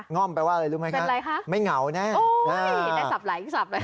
ง่อมแปลว่าอะไรรู้ไหมคะเป็นอะไรคะไม่เหงาแน่โอ้ยได้สับหลายสับหลาย